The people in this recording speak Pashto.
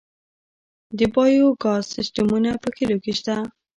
د بایو ګاز سیستمونه په کلیو کې شته؟